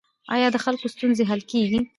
آیا د خلکو ستونزې حل کیږي؟